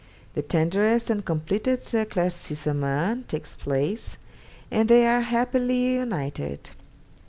The tenderest and completest eclaircissement takes place, and they are happily united.